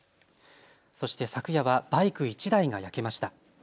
そして昨夜はバイク１台が焼けました。